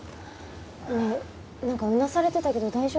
ねえなんかうなされてたけど大丈夫？